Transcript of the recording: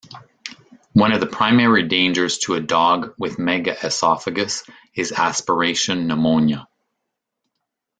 One of the primary dangers to a dog with megaesophagus is aspiration pneumonia.